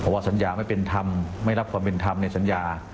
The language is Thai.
ว่าสัญญาไม่เป็นธรรมไม่รับความเป็นธรรมในสัญญา